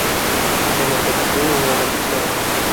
أين ستكون يوم الإثنين؟